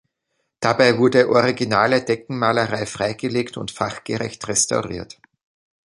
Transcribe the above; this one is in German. Dabei wurde originale Deckenmalerei freigelegt und fachgerecht restauriert.